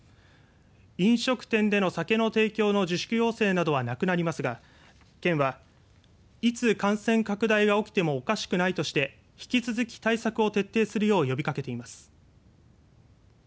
飲食店での酒の提供の自粛要請などはなくなりますが県は、いつ感染拡大が起きてもおかしくないとして引き続き、対策を徹底するよう呼びかけています。